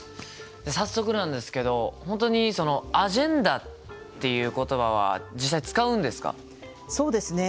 早速なんですけどホントに「アジェンダ」っていう言葉は実際使うんですか？